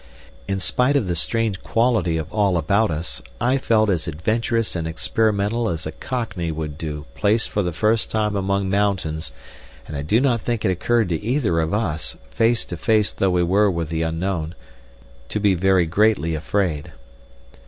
In spite of the strange quality of all about us, I felt as adventurous and experimental as a cockney would do placed for the first time among mountains and I do not think it occurred to either of us, face to face though we were with the unknown, to be very greatly afraid.